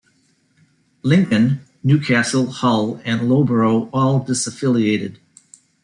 Lincoln, Newcastle, Hull and Loughborough all disaffiliated.